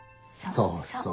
そうそう。